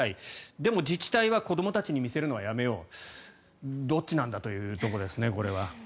でも自治体は子どもたちに見せるのはやめようどっちなんだというところですね。